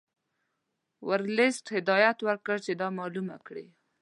ورلسټ هدایت ورکړ چې دا معلومه کړي.